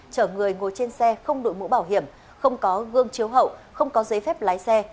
chở người ngồi trên xe không đội mũ bảo hiểm không có gương chiếu hậu không có giấy phép lái xe